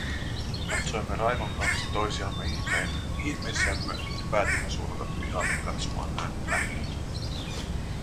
Katsoimme Raivon kanssa toisiamme ihmeissämme ja päätimme suunnata pihalle katsomaan äänen lähdettä.